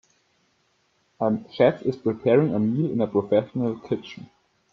A chef is preparing a meal in a professional kitchen.